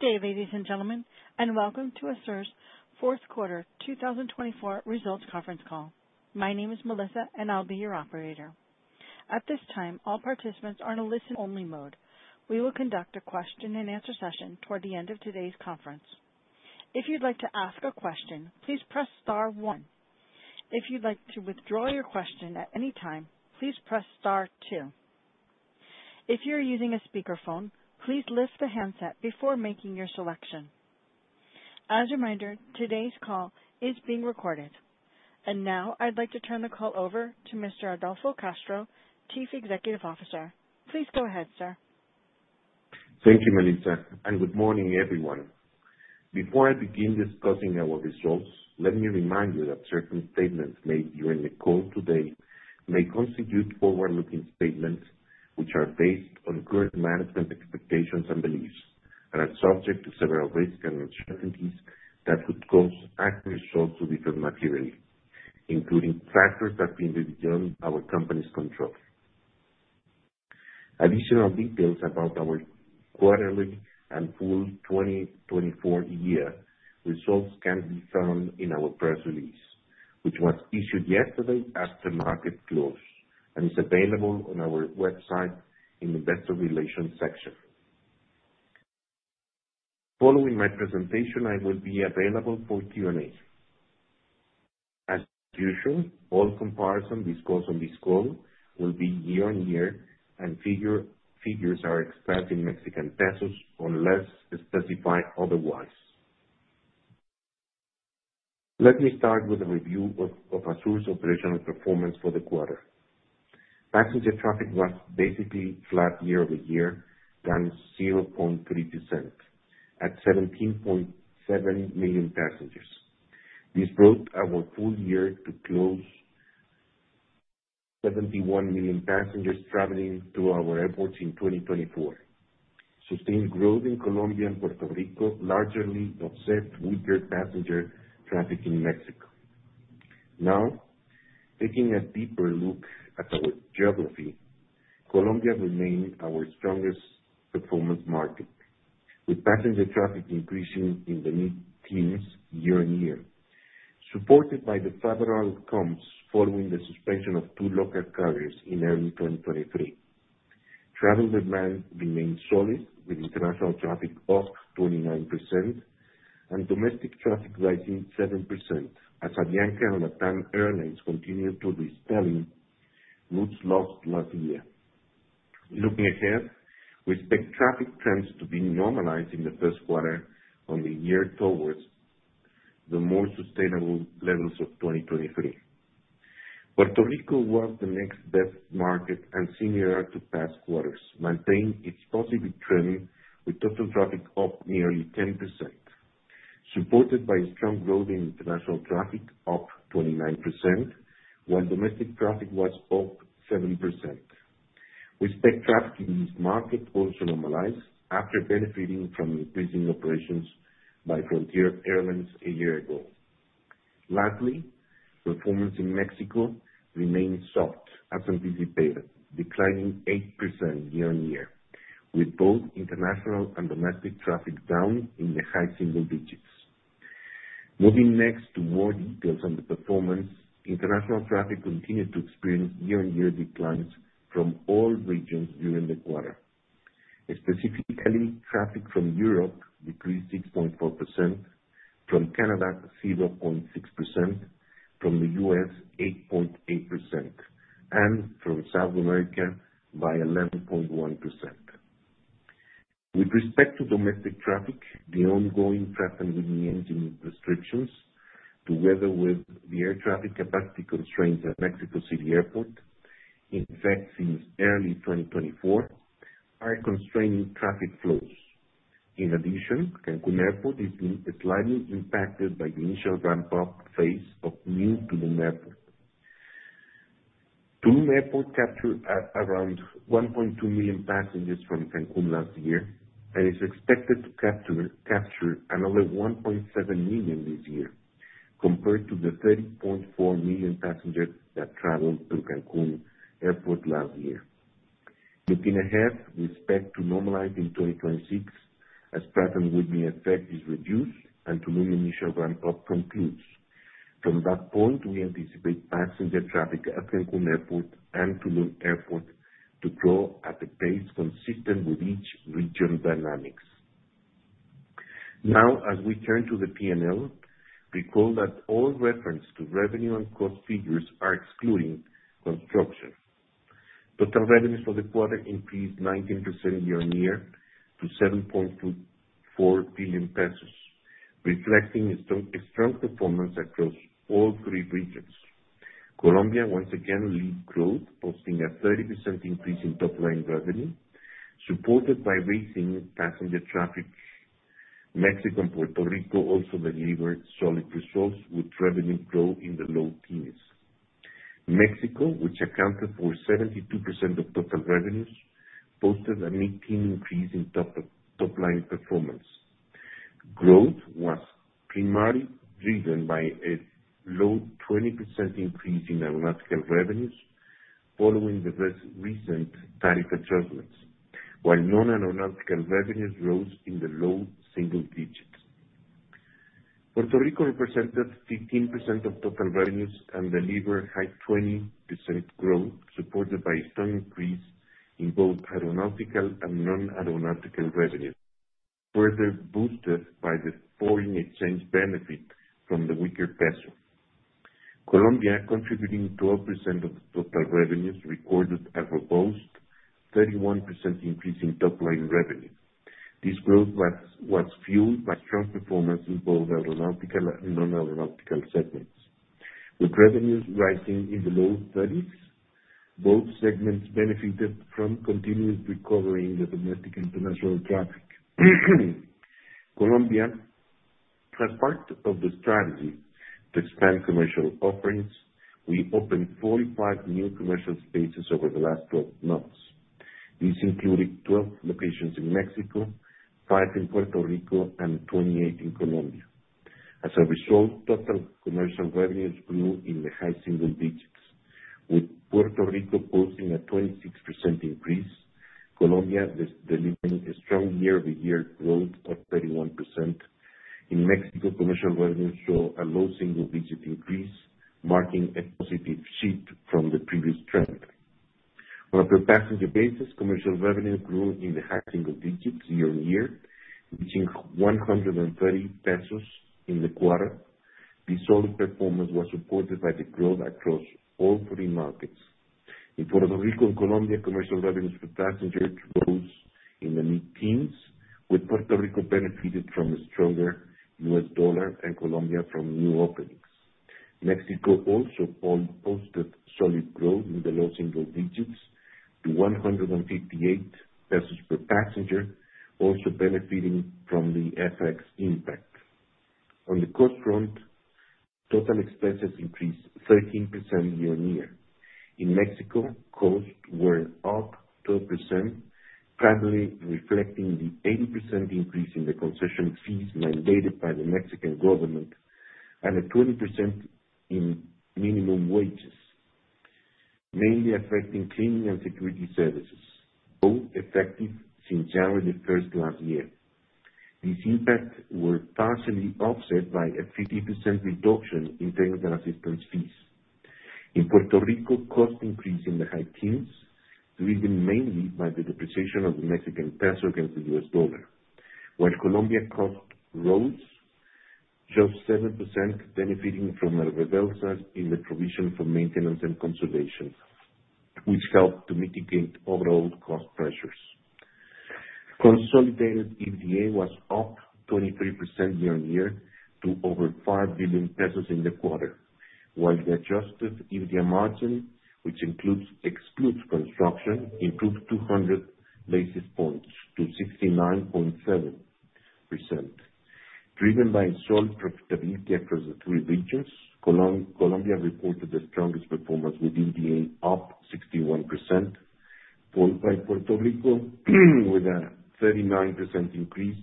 Good day, ladies and gentlemen, and welcome to ASUR's Fourth Quarter 2024 Results Conference Call. My name is Melissa, and I'll be your operator. At this time, all participants are in a listen-only mode. We will conduct a question-and-answer session toward the end of today's conference. If you'd like to ask a question, please press star one. If you'd like to withdraw your question at any time, please press star two. If you're using a speakerphone, please lift the handset before making your selection. As a reminder, today's call is being recorded. And now, I'd like to turn the call over to Mr. Adolfo Castro, Chief Executive Officer. Please go ahead, sir. Thank you, Melissa, and good morning, everyone. Before I begin discussing our results, let me remind you that certain statements made during the call today may constitute forward-looking statements which are based on current management expectations and beliefs and are subject to several risks and uncertainties that could cause adverse results to differ materially, including factors that may be beyond our company's control. Additional details about our quarterly and full 2024 year results can be found in our press release, which was issued yesterday after market close, and is available on our website in the investor relations section. Following my presentation, I will be available for Q&A. As usual, all comparisons discussed on this call will be year-on-year, and figures are expressed in MXN unless specified otherwise. Let me start with a review of ASUR's operational performance for the quarter. Passenger traffic was basically flat year-over-year, down 0.3%, at 17.7 million passengers. This brought our full year to close 71 million passengers traveling to our airports in 2024. Sustained growth in Colombia and Puerto Rico largely offset weaker passenger traffic in Mexico. Now, taking a deeper look at our geography, Colombia remained our strongest performance market, with passenger traffic increasing in the mid-teens year-on-year, supported by the favorable comps following the suspension of two local carriers in early 2023. Travel demand remained solid, with international traffic up 29% and domestic traffic rising 7%, as Avianca and LATAM Airlines continued to resume routes lost last year. Looking ahead, we expect traffic trends to be normalized in the first quarter of the year towards the more sustainable levels of 2023. Puerto Rico was the next best market and similar to past quarters, maintaining its positive trend with total traffic up nearly 10%, supported by a strong growth in international traffic up 29%, while domestic traffic was up 7%. We expect traffic in this market also to normalize after benefiting from increasing operations by Frontier Airlines a year ago. Lastly, performance in Mexico remained soft as anticipated, declining 8% year-on-year, with both international and domestic traffic down in the high single digits. Moving next to more details on the performance, international traffic continued to experience year-on-year declines from all regions during the quarter. Specifically, traffic from Europe decreased 6.4%, from Canada 0.6%, from the U.S. 8.8%, and from South America by 11.1%. With respect to domestic traffic, the ongoing traffic-limiting restrictions to weather with the air traffic capacity constraints at Mexico City Airport, in fact, since early 2024, are constraining traffic flows. In addition, Cancun Airport is slightly impacted by the initial ramp-up phase of new Tulum Airport. Tulum Airport captured around 1.2 million passengers from Cancun last year and is expected to capture another 1.7 million this year, compared to the 30.4 million passengers that traveled through Cancun Airport last year. Looking ahead, we expect to normalize in 2026 as travel-limiting effect is reduced and Tulum initial ramp-up concludes. From that point, we anticipate passenger traffic at Cancun Airport and Tulum Airport to grow at a pace consistent with each region's dynamics. Now, as we turn to the P&L, recall that all reference to revenue and cost figures are excluding construction. Total revenues for the quarter increased 19% year-on-year to 7.24 billion pesos, reflecting a strong performance across all three regions. Colombia once again led growth, posting a 30% increase in top-line revenue, supported by rising passenger traffic. Mexico and Puerto Rico also delivered solid results with revenue growth in the low teens. Mexico, which accounted for 72% of total revenues, posted a mid-teen increase in top-line performance. Growth was primarily driven by a low 20% increase in aeronautical revenues following the recent tariff adjustments, while non-aeronautical revenues rose in the low single digits. Puerto Rico represented 15% of total revenues and delivered high 20% growth, supported by a strong increase in both aeronautical and non-aeronautical revenues, further boosted by the foreign exchange benefit from the weaker peso. Colombia contributed 12% of total revenues recorded as a robust 31% increase in top-line revenue. This growth was fueled by strong performance in both aeronautical and non-aeronautical segments. With revenues rising in the low 30s, both segments benefited from continued recovery in the domestic international traffic. Colombia, as part of the strategy to expand commercial offerings, opened 45 new commercial spaces over the last 12 months. This included 12 locations in Mexico, five in Puerto Rico, and 28 in Colombia. As a result, total commercial revenues grew in the high single digits, with Puerto Rico posting a 26% increase, Colombia delivering a strong year-over-year growth of 31%. In Mexico, commercial revenues saw a low single-digit increase, marking a positive shift from the previous trend. On a per-passenger basis, commercial revenue grew in the high single digits year-on-year, reaching 130 pesos in the quarter. This solid performance was supported by the growth across all three markets. In Puerto Rico and Colombia, commercial revenues per passenger rose in the mid-teens, with Puerto Rico benefiting from a stronger U.S. dollar and Colombia from new openings. Mexico also posted solid growth in the low single digits to 158 pesos per passenger, also benefiting from the FX impact. On the cost front, total expenses increased 13% year-on-year. In Mexico, costs were up 12%, clearly reflecting the 80% increase in the concession fees mandated by the Mexican government and a 20% in minimum wages, mainly affecting cleaning and security services. Now effective since January the 1st last year. These impacts were partially offset by a 50% reduction in technical assistance fees. In Puerto Rico, cost increase in the high teens% driven mainly by the depreciation of the Mexican peso against the US dollar, while Colombia cost rose just 7%, benefiting from rebates in the provision for maintenance and consolidation, which helped to mitigate overall cost pressures. Consolidated EBITDA was up 23% year-on-year to over 5 billion pesos in the quarter, while the adjusted EBITDA margin, which excludes construction, improved 200 basis points to 69.7%. Driven by solid profitability across the three regions, Colombia reported the strongest performance with EBITDA up 61%, followed by Puerto Rico with a 39% increase,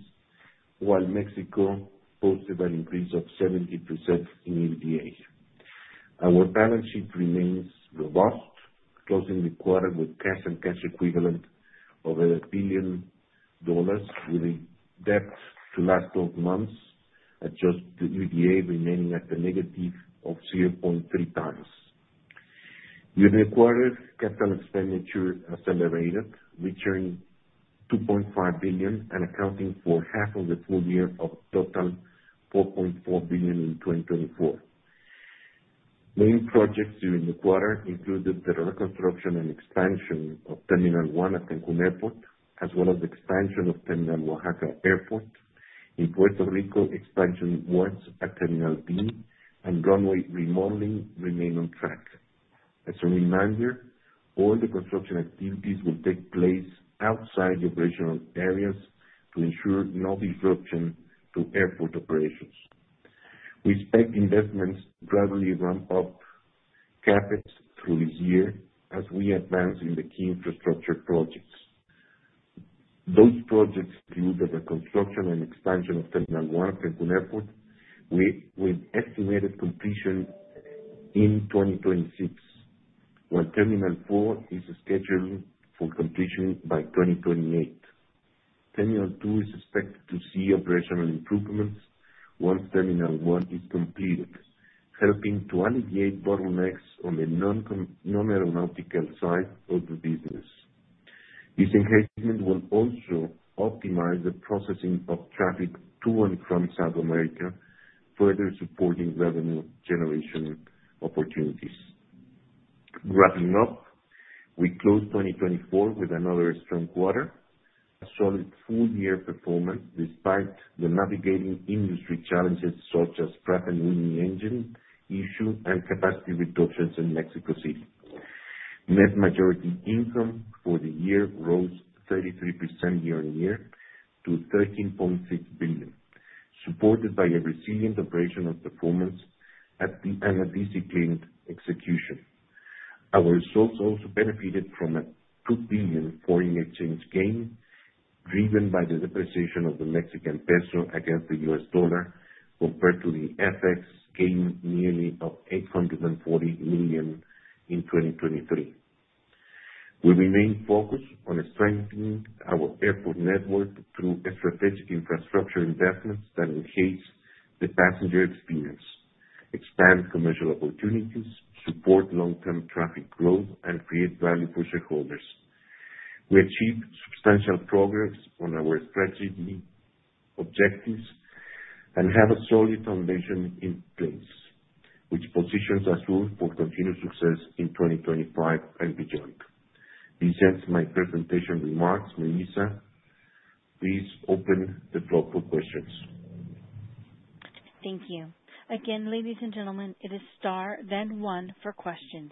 while Mexico posted an increase of 70% in EBITDA. Our balance sheet remains robust, closing the quarter with cash and cash equivalent of $1 billion with a debt to last 12 months adjusted EBITDA remaining at the negative of 0.3 times. During the quarter, capital expenditure accelerated, reaching 2.5 billion and accounting for half of the full year of total 4.4 billion in 2024. Main projects during the quarter included the reconstruction and expansion of Terminal 1 at Cancun Airport, as well as the expansion of Terminal Oaxaca International Airport. In Puerto Rico, expansion was at Terminal B, and runway remodeling remained on track. As a reminder, all the construction activities will take place outside the operational areas to ensure no disruption to airport operations. We expect investments gradually ramp up Capex through this year as we advance in the key infrastructure projects. Those projects include the reconstruction and expansion of Terminal 1 at Cancun Airport, with estimated completion in 2026, while Terminal 4 is scheduled for completion by 2028. Terminal 2 is expected to see operational improvements once Terminal 1 is completed, helping to alleviate bottlenecks on the non-aeronautical side of the business. This enhancement will also optimize the processing of traffic to and from South America, further supporting revenue generation opportunities. Wrapping up, we closed 2023 with another strong quarter, a solid full-year performance despite navigating industry challenges such as traffic-limiting engine issues and capacity reductions in Mexico City. Net income for the year rose 33% year-on-year to 13.6 billion, supported by a resilient operational performance and a disciplined execution. Our results also benefited from a 2 billion foreign exchange gain driven by the depreciation of the Mexican peso against the U.S. dollar, compared to the FX gain of nearly 840 million in 2023. We remain focused on strengthening our airport network through strategic infrastructure investments that enhance the passenger experience, expand commercial opportunities, support long-term traffic growth, and create value for shareholders. We achieved substantial progress on our strategy objectives and have a solid foundation in place, which positions us room for continued success in 2025 and beyond. This ends my presentation remarks. Melissa, please open the floor for questions. Thank you. Again, ladies and gentlemen, it is star, then one for questions.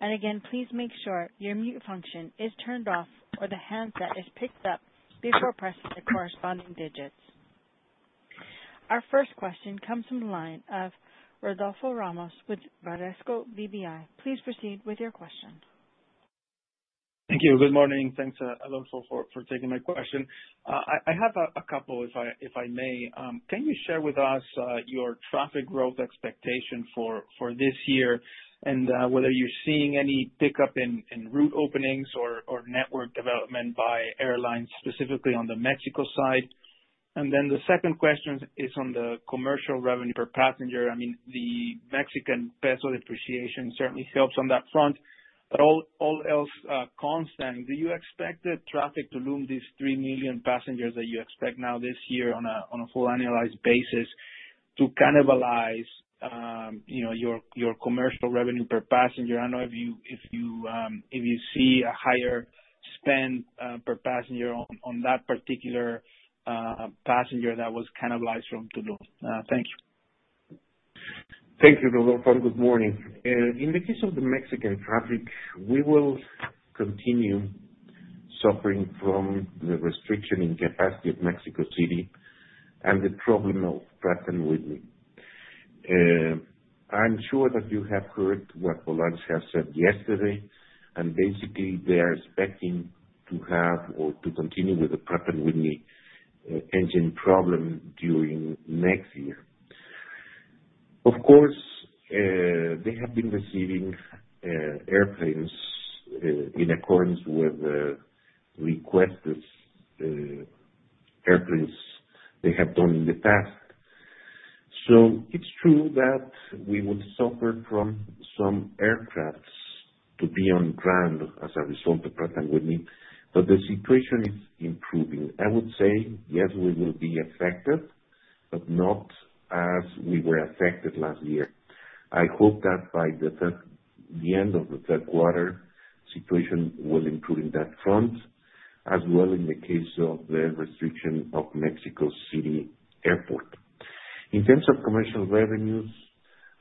And again, please make sure your mute function is turned off or the handset is picked up before pressing the corresponding digits. Our first question comes from the line of Rodolfo Ramos with Bradesco BBI. Please proceed with your question. Thank you. Good morning. Thanks, Adolfo, for taking my question. I have a couple, if I may. Can you `share with us your traffic growth expectation for this year and whether you're seeing any pickup in route openings or network development by airlines, specifically on the Mexico side? And then the second question is on the commercial revenue per passenger. I mean, the Mexican peso depreciation certainly helps on that front, but all else constant, do you expect the traffic to loom these 3 million passengers that you expect now this year on a full annualized basis to cannibalize your commercial revenue per passenger? I don't know if you see a higher spend per passenger on that particular passenger that was cannibalized from Tulum. Thank you. Thank you, Rodolfo. Good morning. In the case of the Mexican traffic, we will continue suffering from the restriction in capacity of Mexico City and the problem of Pratt & Whitney. I'm sure that you have heard what Volaris has said yesterday, and basically, they are expecting to have or to continue with the Pratt & Whitney engine problem during next year. Of course, they have been receiving airplanes in accordance with the requested airplanes they have done in the past. So it's true that we will suffer from some aircrafts to be on ground as a result of Pratt & Whitney, but the situation is improving. I would say, yes, we will be affected, but not as we were affected last year. I hope that by the end of the third quarter, the situation will improve in that front, as well in the case of the restriction of Mexico City Airport. In terms of commercial revenues,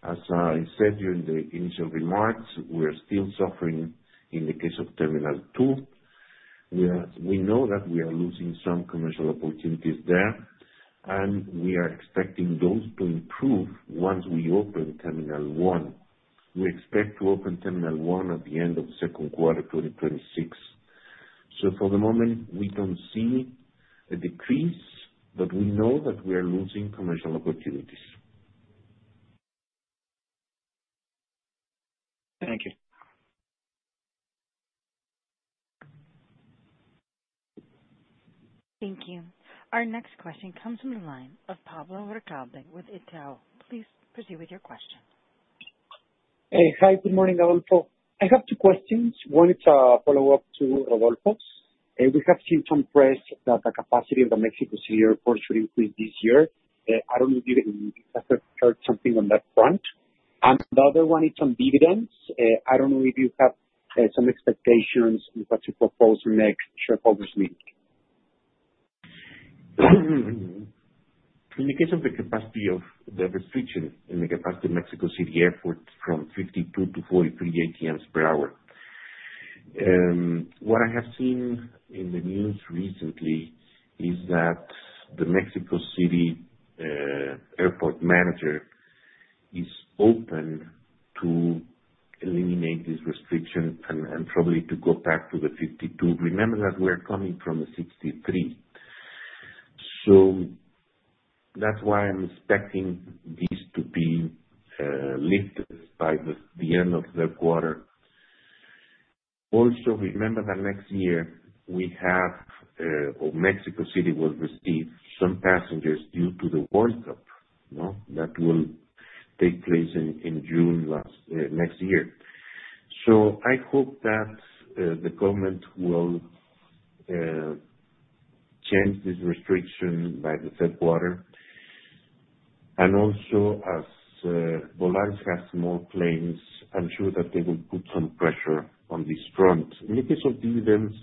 as I said during the initial remarks, we are still suffering in the case of Terminal 2. We know that we are losing some commercial opportunities there, and we are expecting those to improve once we open Terminal 1. We expect to open Terminal 1 at the end of the second quarter of 2026. So for the moment, we don't see a decrease, but we know that we are losing commercial opportunities. Thank you. Thank you. Our next question comes from the line of Pablo Ricalde with Itaú. Please proceed with your question. Hi. Good morning, Adolfo. I have two questions. One is a follow-up to Rodolfo's. We have seen some press that the capacity of the Mexico City Airport should increase this year. I don't know if you have heard something on that front. And the other one is on dividends. I don't know if you have some expectations on what to propose next shareholders meeting. In the case of the capacity of the restriction in the capacity of Mexico City Airport from 52 to 43 ATMs per hour, what I have seen in the news recently is that the Mexico City Airport manager is open to eliminate this restriction and probably to go back to the 52. Remember that we're coming from the 63. So that's why I'm expecting this to be lifted by the end of the quarter. Also, remember that next year we have or Mexico City will receive some passengers due to the World Cup that will take place in June next year. So I hope that the government will change this restriction by the third quarter. And also, as Volaris has more planes, I'm sure that they will put some pressure on this front. In the case of dividends,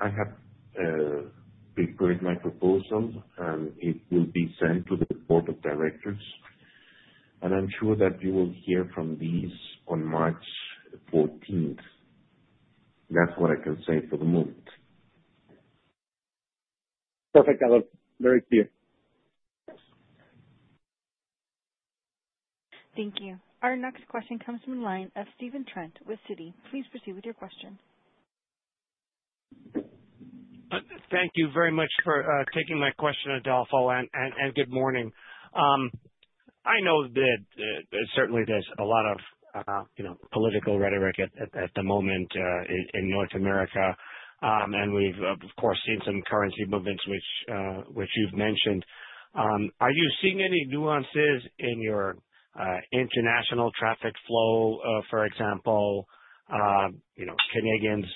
I have prepared my proposal, and it will be sent to the board of directors. And I'm sure that you will hear from these on March 14th. That's what I can say for the moment. Perfect, Adolfo. Very clear. Thank you. Our next question comes from the line of Stephen Trent with Citi. Please proceed with your question. Thank you very much for taking my question, Adolfo, and good morning. I know that there's certainly a lot of political rhetoric at the moment in North America, and we've, of course, seen some currency movements, which you've mentioned. Are you seeing any nuances in your international traffic flow, for example, Canadians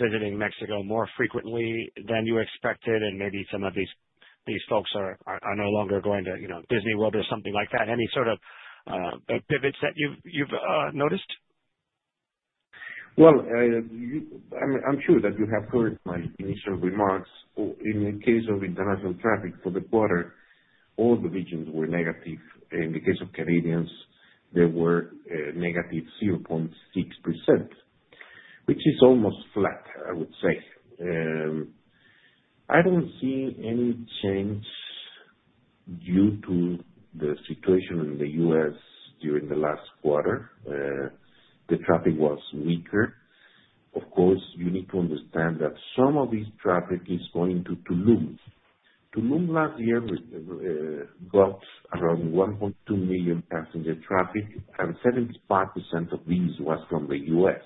visiting Mexico more frequently than you expected, and maybe some of these folks are no longer going to Disney World or something like that? Any sort of pivots that you've noticed? I'm sure that you have heard my initial remarks. In the case of international traffic for the quarter, all the regions were negative. In the case of Canadians, they were negative 0.6%, which is almost flat, I would say. I don't see any change due to the situation in the U.S. during the last quarter. The traffic was weaker. Of course, you need to understand that some of this traffic is going to Tulum. Tulum last year got around 1.2 million passenger traffic, and 75% of these was from the U.S.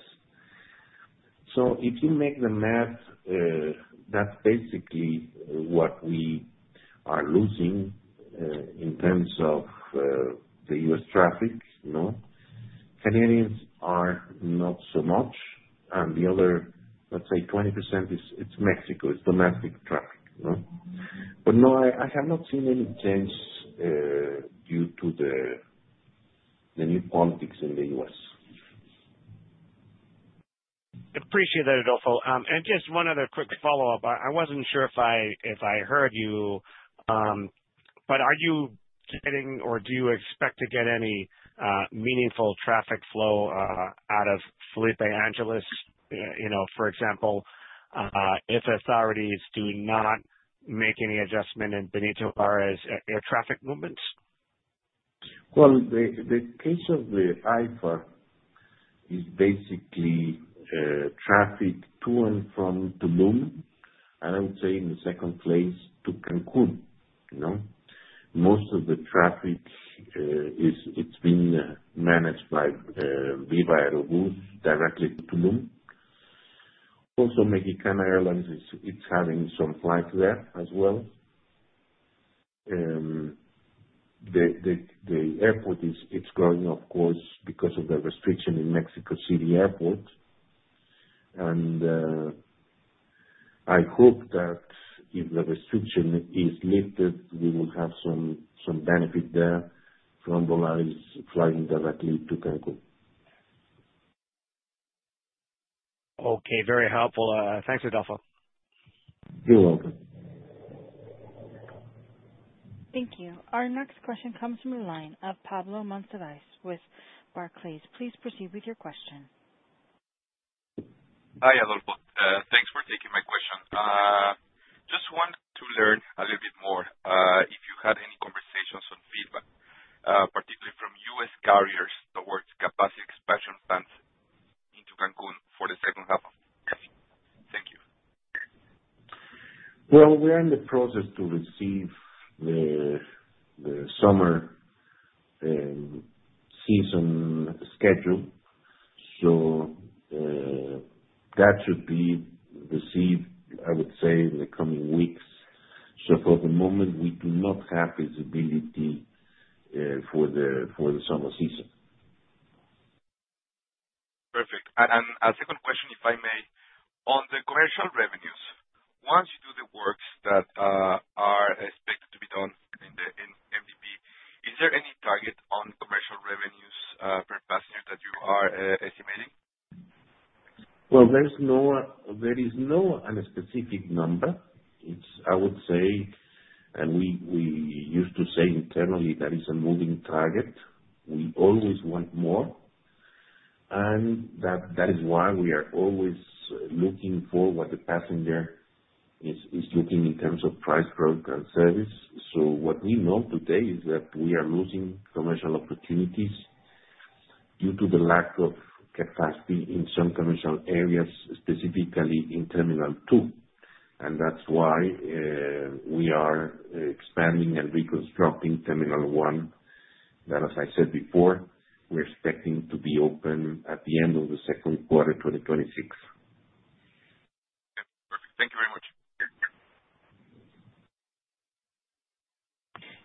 So if you make the math, that's basically what we are losing in terms of the U.S. traffic. Canadians are not so much, and the other, let's say, 20%, it's Mexico. It's domestic traffic. But no, I have not seen any change due to the new politics in the U.S. Appreciate that, Adolfo. And just one other quick follow-up. I wasn't sure if I heard you, but are you getting or do you expect to get any meaningful traffic flow out of Felipe Ángeles, for example, if authorities do not make any adjustment in Benito Juárez air traffic movements? Well, the case of the AIFA is basically traffic to and from Tulum, and I would say in the second place to Cancún. Most of the traffic, it's been managed by Viva Aerobús directly to Tulum. Also, Mexicana Airlines is having some flights there as well. The airport is growing, of course, because of the restriction in Mexico City Airport. And I hope that if the restriction is lifted, we will have some benefit there from Volaris flying directly to Cancún. Okay. Very helpful. Thanks, Adolfo. You're welcome. Thank you. Our next question comes from the line of Pablo Monsivais with Barclays. Please proceed with your question. Hi, Adolfo. Thanks for taking my question. Just wanted to learn a little bit more if you had any conversations on feedback, particularly from US carriers towards capacity expansion plans into Cancun for the second half of the year. Thank you. Well, we are in the process to receive the summer season schedule, so that should be received, I would say, in the coming weeks. So for the moment, we do not have visibility for the summer season. Perfect. And a second question, if I may. On the commercial revenues, once you do the works that are expected to be done in the MDP, is there any target on commercial revenues per passenger that you are estimating? Well, there is no specific number. I would say, and we used to say internally that it's a moving target. We always want more, and that is why we are always looking for what the passenger is looking in terms of price growth and service. So what we know today is that we are losing commercial opportunities due to the lack of capacity in some commercial areas, specifically in Terminal 2. And that's why we are expanding and reconstructing Terminal 1. Then, as I said before, we're expecting to be open at the end of the second quarter of 2026. Okay. Perfect. Thank you very much.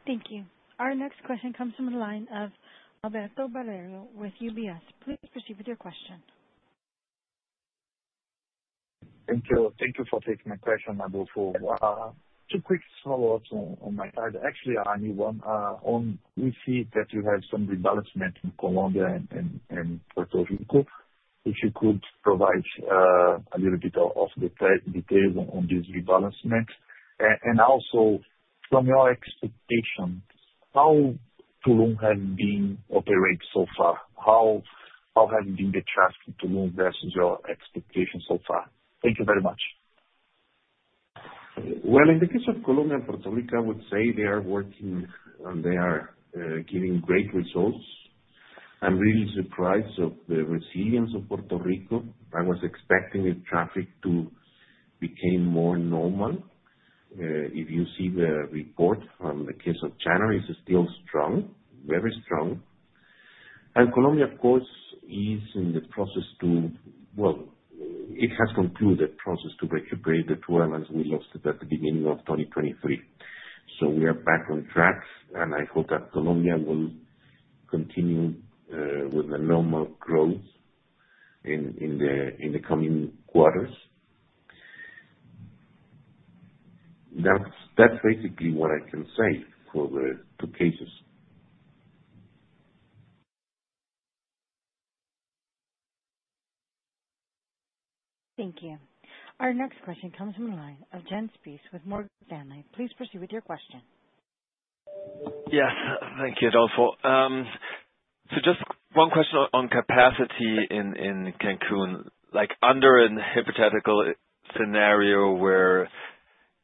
Thank you. Our next question comes from the line of Alberto Valerio with UBS. Please proceed with your question. Thank you. Thank you for taking my question, Adolfo. Two quick follow-ups on my side. Actually, I need one. We see that you have some rebalancing in Colombia and Puerto Rico. If you could provide a little bit of details on this rebalancing. And also, from your expectation, how Tulum has been operating so far? How has it been the traffic in Tulum versus your expectation so far? Thank you very much. Well, in the case of Colombia and Puerto Rico, I would say they are working, and they are giving great results. I'm really surprised of the resilience of Puerto Rico. I was expecting the traffic to become more normal. If you see the report from the case of January, it's still strong, very strong. And Colombia, of course, is in the process to, well, it has concluded the process to recuperate the two airlines we lost at the beginning of 2023. So we are back on track, and I hope that Colombia will continue with the normal growth in the coming quarters. That's basically what I can say for the two cases. Thank you. Our next question comes from the line of Jens Spiess with Morgan Stanley. Please proceed with your question. Yes. Thank you, Adolfo. So just one question on capacity in Cancun. Under a hypothetical scenario where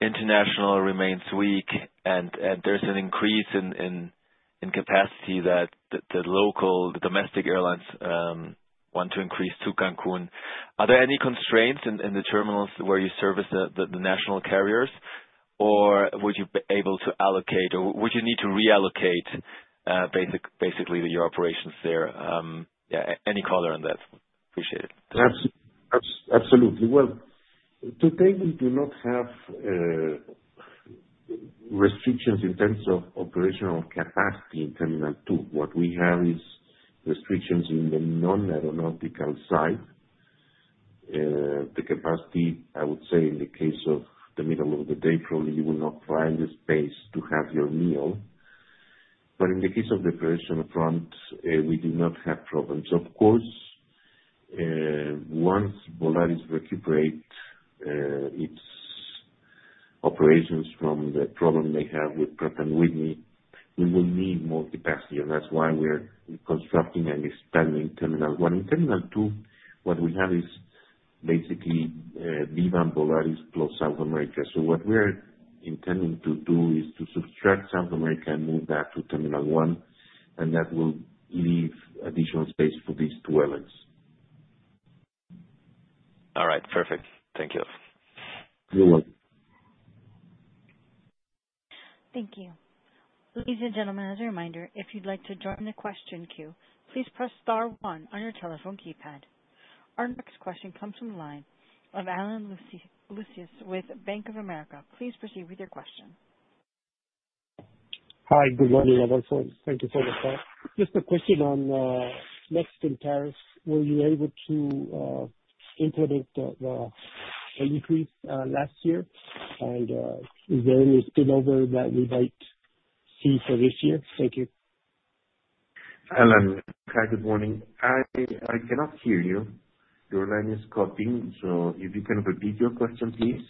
international remains weak and there's an increase in capacity that the domestic airlines want to increase to Cancun, are there any constraints in the terminals where you service the national carriers, or would you be able to allocate, or would you need to reallocate basically your operations there? Any color on that? Appreciate it. Absolutely. Well, today we do not have restrictions in terms of operational capacity in Terminal 2. What we have is restrictions in the non-aeronautical side. The capacity, I would say, in the case of the middle of the day, probably you will not find the space to have your meal. But in the case of the operational front, we do not have problems. Of course, once Volaris recuperates its operations from the problem they have with Pratt & Whitney, we will need more capacity. And that's why we're reconstructing and expanding Terminal 1. In Terminal 2, what we have is basically Viva and Volaris plus South America. So what we're intending to do is to subtract South America and move that to Terminal 1, and that will leave additional space for these two airlines. All right. Perfect. Thank you. You're welcome. Thank you. Ladies and gentlemen, as a reminder, if you'd like to join the question queue, please press star one on your telephone keypad. Our next question comes from the line of Alan Macias with Bank of America. Please proceed with your question. Hi. Good morning, Adolfo. Thank you for the call. Just a question on Mexican tariffs. Were you able to implement the increase last year? And is there any spillover that we might see for this year? Thank you. Alan. Hi. Good morning. I cannot hear you. Your line is cutting, so if you can repeat your question, please.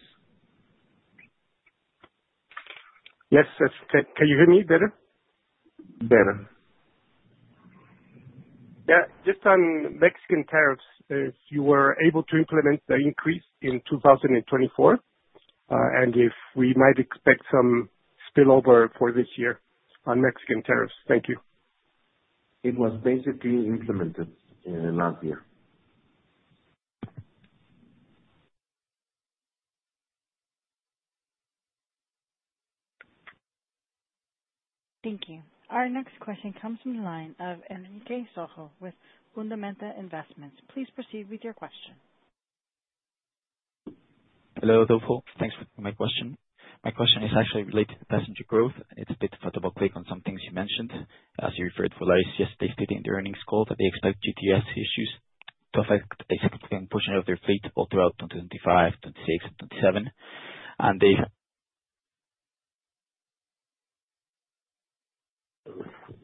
Yes. Can you hear me better? Better. Yeah. Just on Mexican tariffs, if you were able to implement the increase in 2024, and if we might expect some spillover for this year on Mexican tariffs. Thank you. It was basically implemented last year. Thank you. Our next question comes from the line of Rodrigo Torrero with Fundamental Capital. Please proceed with your question. Hello, Adolfo. Thanks for my question. My question is actually related to passenger growth, and it's a bit of a double-click on some things you mentioned. As you referred, Volaris yesterday stated in the earnings call that they expect GTF issues to affect a significant portion of their fleet all throughout 2025, 2026, and 2027. And they've—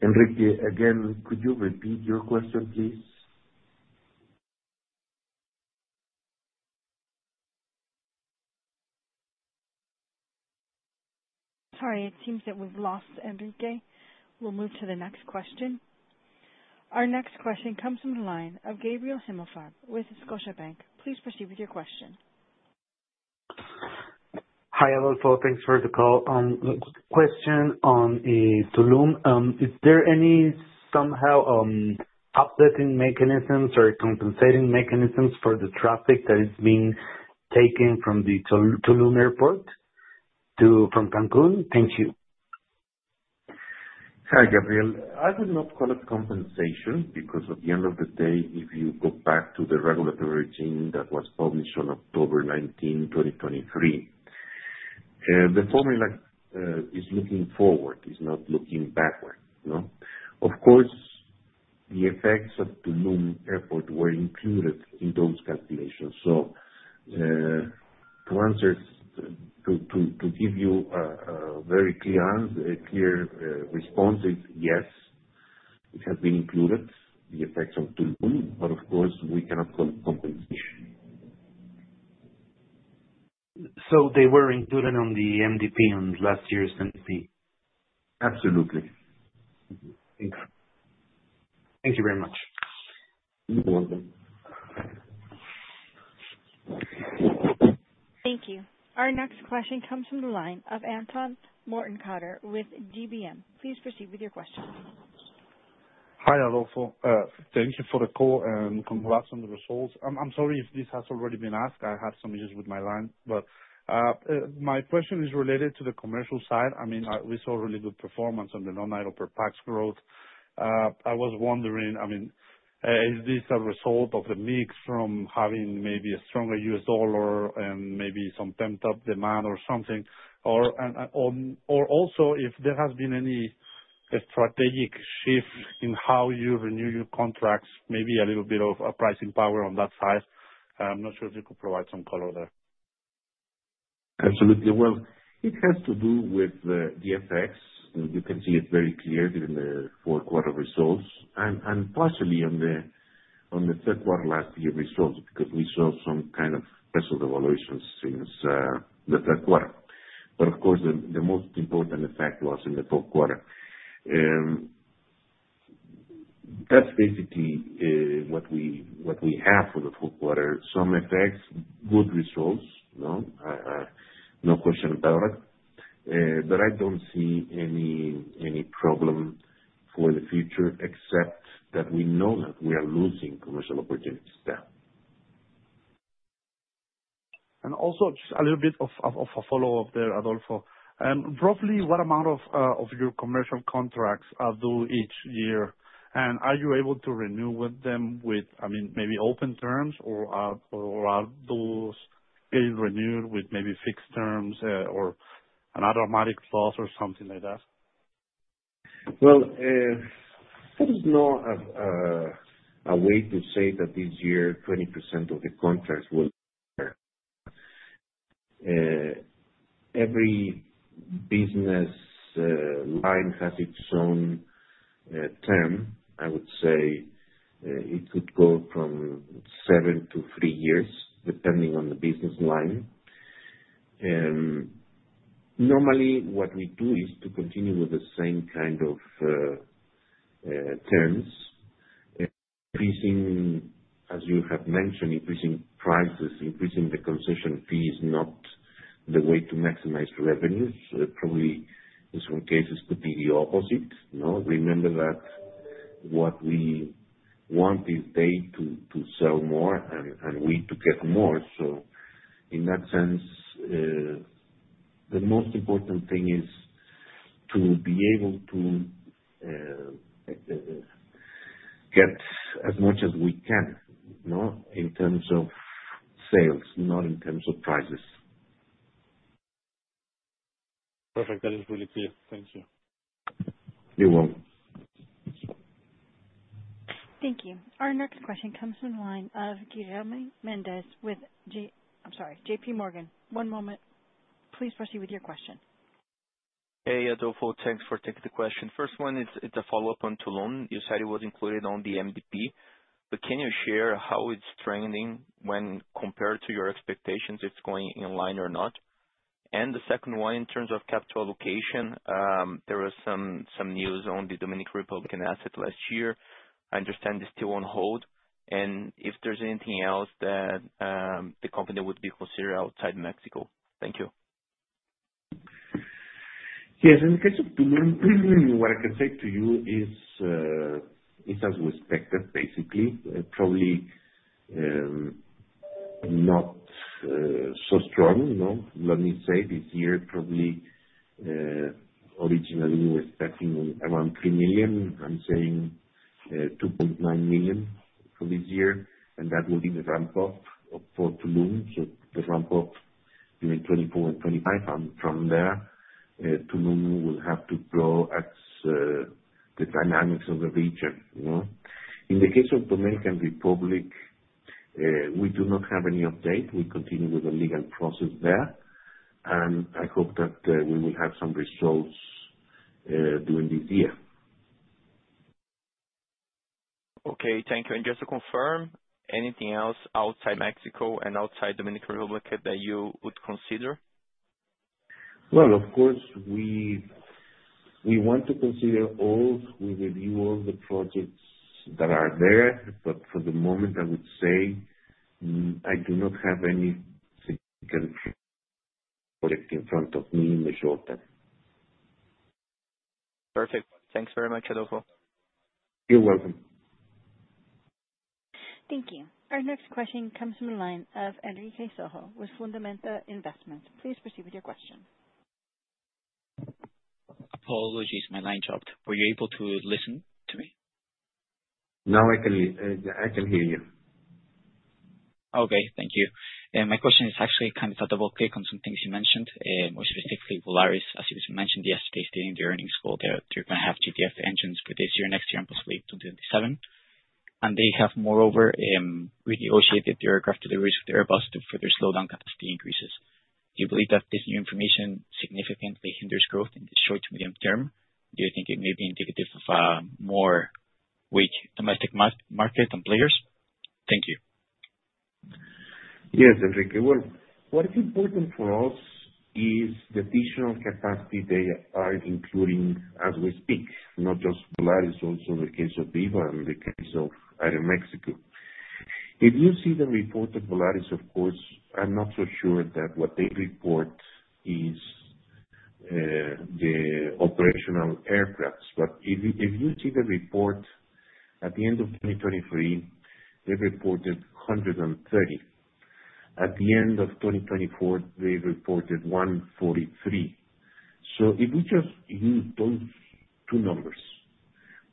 Rodrigo, again, could you repeat your question, please? Sorry. It seems that we've lost Rodrigo. We'll move to the next question. Our next question comes from the line of Gabriel Himelfarb with Scotiabank. Please proceed with your question. Hi, Adolfo. Thanks for the call. Question on Tulum. Is there any somehow updating mechanisms or compensating mechanisms for the traffic that is being taken from the Tulum airport from Cancún? Thank you. Hi, Gabriel. I would not call it compensation because, at the end of the day, if you go back to the regulatory framework that was published on October 19, 2023, the formula is looking forward, is not looking backward. Of course, the effects of Tulum airport were included in those calculations. So to give you a very clear response, yes, it has been included, the effects of Tulum. But, of course, we cannot call it compensation. So they were included on the MDP last year's MDP? Absolutely. Thank you. Thank you very much. You're welcome. Thank you. Our next question comes from the line of Anton Morton with GBM. Please proceed with your question. Hi, Adolfo. Thank you for the call and congrats on the results. I'm sorry if this has already been asked. I had some issues with my line. But my question is related to the commercial side. I mean, we saw really good performance on the non-aeronautical growth. I was wondering, I mean, is this a result of the mix from having maybe a stronger U.S. dollar and maybe some pent-up demand or something? Or also, if there has been any strategic shift in how you renew your contracts, maybe a little bit of pricing power on that side. I'm not sure if you could provide some color there. Absolutely. Well, it has to do with the effects. You can see it very clearly in the fourth quarter results and partially on the third quarter last year results because we saw some kind of peso devaluations since the third quarter. But, of course, the most important effect was in the fourth quarter. That's basically what we have for the fourth quarter. Some effects, good results, no question about it. I don't see any problem for the future except that we know that we are losing commercial opportunities there. And also, just a little bit of a follow-up there, Adolfo. Roughly, what amount of your commercial contracts are due each year? And are you able to renew with them, I mean, maybe open terms, or are those getting renewed with maybe fixed terms or an automatic loss or something like that? Well, there is no way to say that this year 20% of the contracts will be there. Every business line has its own term. I would say it could go from seven to three years, depending on the business line. Normally, what we do is to continue with the same kind of terms. As you have mentioned, increasing prices, increasing the concession fee is not the way to maximize revenues. Probably in some cases, it could be the opposite. Remember that what we want is they to sell more and we to get more. So in that sense, the most important thing is to be able to get as much as we can in terms of sales, not in terms of prices. Perfect. That is really clear. Thank you. You're welcome. Thank you. Our next question comes from the line of Guilherme Mendes with, I'm sorry, J.P. Morgan. One moment. Please proceed with your question. Hey, Adolfo. Thanks for taking the question. First one, it's a follow-up on Tulum. You said it was included on the MDP. But can you share how it's trending when compared to your expectations if it's going in line or not? And the second one, in terms of capital allocation, there was some news on the Dominican Republic asset last year. I understand it's still on hold, and if there's anything else that the company would be considered outside Mexico. Thank you. Yes. In the case of Tulum, what I can say to you is it has respected, basically, probably not so strong. Let me say this year, probably originally we were expecting around three million. I'm saying 2.9 million for this year. And that will be the ramp-up for Tulum. So the ramp-up between 2024 and 2025. And from there, Tulum will have to grow at the dynamics of the region. In the case of Dominican Republic, we do not have any update. We continue with the legal process there. And I hope that we will have some results during this year. Okay. Thank you. And just to confirm, anything else outside Mexico and outside Dominican Republic that you would consider? Well, of course, we want to consider all. We review all the projects that are there. But for the moment, I would say I do not have any significant project in front of me in the short term. Perfect. Thanks very much, Adolfo. You're welcome. Thank you. Our next question comes from the line of Rodrigo Torrero with Fundamental Investments. Please proceed with your question. Apologies. My line dropped. Were you able to listen to me? Now I can hear you. Okay. Thank you. My question is actually kind of a double-click on some things you mentioned, more specifically Volaris. As you mentioned, yesterday stated in the earnings call that they're going to have GTF engines for this year, next year, and possibly 2027. And they have, moreover, renegotiated their delivery errors with Airbus to further slow down capacity increases. Do you believe that this new information significantly hinders growth in the short to medium term? Do you think it may be indicative of a more weak domestic market and players? Thank you. Yes, Rodrigo. What's important for us is the additional capacity they are including as we speak, not just Volaris, also the case of Viva and the case of Aeroméxico. If you see the report of Volaris, of course, I'm not so sure that what they report is the operational aircrafts. But if you see the report, at the end of 2023, they reported 130. At the end of 2024, they reported 143. So if we just use those two numbers,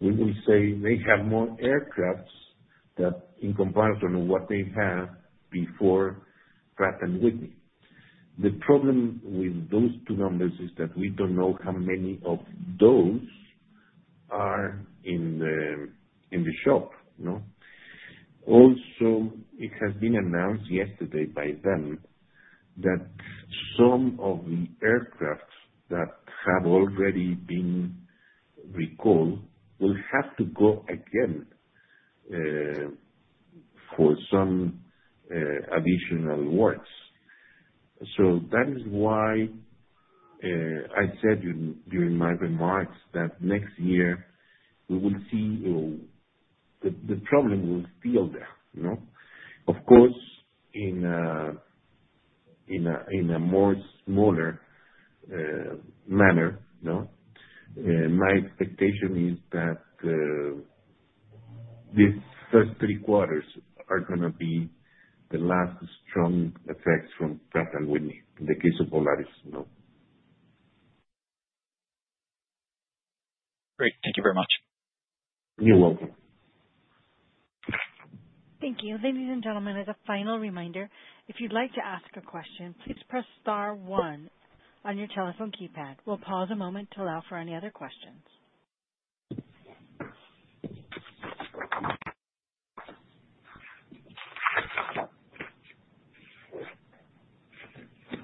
we will say they have more aircrafts than in comparison to what they had before Pratt & Whitney. The problem with those two numbers is that we don't know how many of those are in the shop. Also, it has been announced yesterday by them that some of the aircraft that have already been recalled will have to go again for some additional works. So that is why I said during my remarks that next year, we will see the problem will still there. Of course, in a more smaller manner, my expectation is that these first three quarters are going to be the last strong effects from Pratt & Whitney in the case of Volaris. Great. Thank you very much. You're welcome. Thank you. Ladies and gentlemen, as a final reminder, if you'd like to ask a question, please press star one on your telephone keypad. We'll pause a moment to allow for any other questions.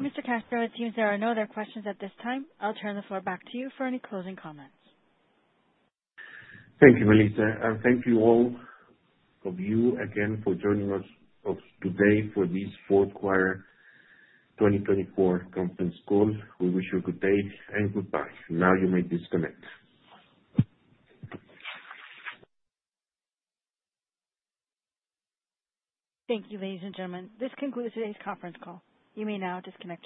Mr. Castro, it seems there are no other questions at this time. I'll turn the floor back to you for any closing comments. Thank you, Melissa. Thank you all of you again for joining us today for this fourth quarter 2024 conference call. We wish you a good day and goodbye. Now you may disconnect. Thank you, ladies and gentlemen. This concludes today's conference call. You may now disconnect.